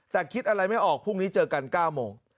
แต่คิดอะไรไม่ออกพรุ่งนี้เจอกัน๙โมง